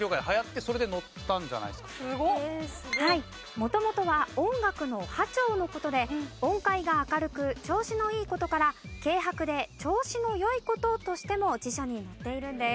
元々は音楽のハ調の事で音階が明るく調子のいい事から「軽薄で調子の良い事」としても辞書に載っているんです。